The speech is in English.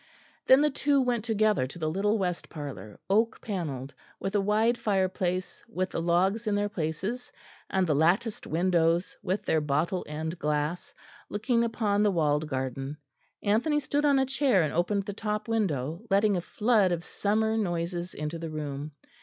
Then the two went together to the little west parlour, oak panelled, with a wide fireplace with the logs in their places, and the latticed windows with their bottle end glass, looking upon the walled garden. Anthony stood on a chair and opened the top window, letting a flood of summer noises into the room.